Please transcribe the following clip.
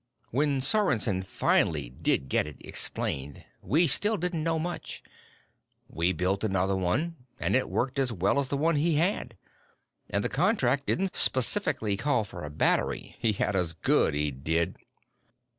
"When Sorensen finally did get it explained, we still didn't know much. But we built another one, and it worked as well as the one he had. And the contract didn't specifically call for a battery. He had us good, he did."